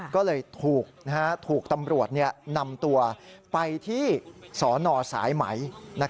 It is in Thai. ก็เลยถูกตำรวจนำตัวไปที่สนสายไหม